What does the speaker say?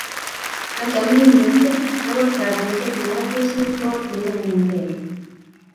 Achamin missing'. Angot kapuset ne apusi kotinyenenkey.